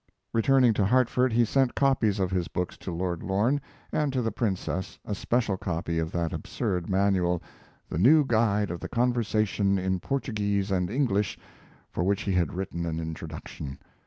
Returning to Hartford, he sent copies of his books to Lord Lorne, and to the Princess a special copy of that absurd manual, The New Guide of the Conversation in Portuguese and English, for which he had written an introduction.